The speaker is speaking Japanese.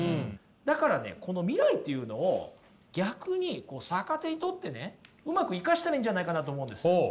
だからねこの未来っていうのを逆に逆手に取ってねうまく生かしたらいいんじゃないかなと思うんです。